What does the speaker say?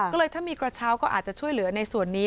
ก็เลยถ้ามีกระเช้าก็อาจจะช่วยเหลือในส่วนนี้